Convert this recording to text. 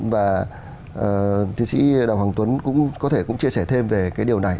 và thí sĩ đào hoàng tuấn có thể cũng chia sẻ thêm về cái điều này